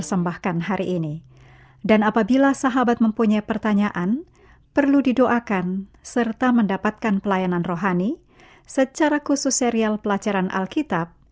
email awrindonesia yahoo co id